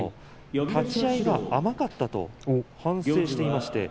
立ち合いが甘かったと反省していました。